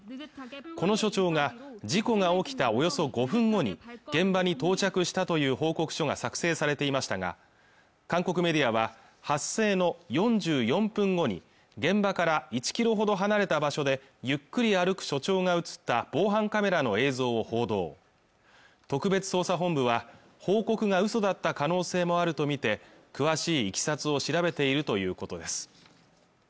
この署長が事故が起きたおよそ５分後に現場に到着したという報告書が作成されていましたが韓国メディアは発生の４４分後に現場から１ｋｍほど離れた場所でゆっくり歩く署長が映った防犯カメラの映像を報道特別捜査本部は報告が嘘だった可能性もあるとみて詳しいいきさつを調べているということです